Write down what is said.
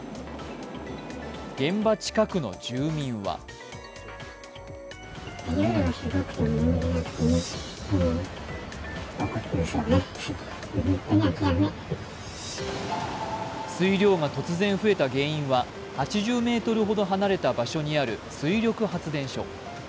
現場近くの住民は水量が突然増えた原因は８０ｍほど離れた場所にある水力発電所。